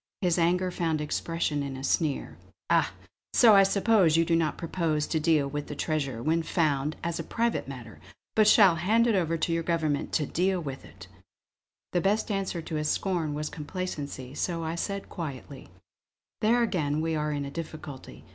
His anger found expression in a sneer: "Ah! so I suppose you do not propose to deal with the treasure, when found, as a private matter; but shall hand it over to your government to deal with!" The best answer to his scorn was complacency; so I said quietly: "There again we are in a difficulty.